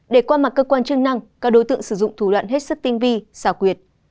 để qua mặt cơ quan chức năng các đối tượng sử dụng thủ đoạn hết sức tinh vi xảo quyệt